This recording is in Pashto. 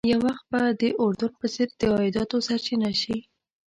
یو وخت به د اردن په څېر د عایداتو سرچینه شي.